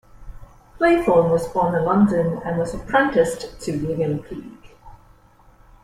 Faithorne was born in London and was apprenticed to William Peake.